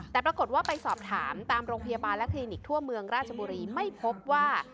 แต่ปรากฏว่าไปสอบถามตามโรงพยาบาลและคลินิกทั่วเมืองราชบุรีไม่พบว่า